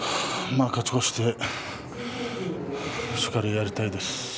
勝ち越してしっかり、やりたいです。